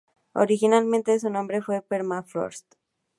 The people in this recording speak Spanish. Originalmente, su nombre fue Permafrost.